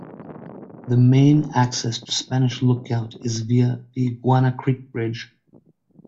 The main access to Spanish Lookout is via the Iguana Creek Bridge.